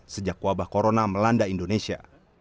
sejak wabah corona melanda indonesia